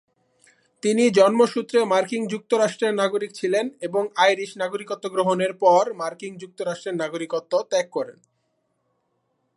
তিনি জন্মসূত্রে মার্কিন যুক্তরাষ্ট্রের নাগরিক ছিলেন এবং আইরিশ নাগরিকত্ব গ্রহণের পর মার্কিন যুক্তরাষ্ট্রের নাগরিকত্ব ত্যাগ করেন।